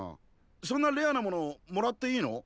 そんなレアなものもらっていいの？